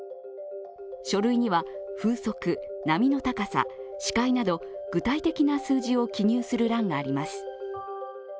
書類には、風速、波の高さ視界など具体的な数字を記入する欄があります。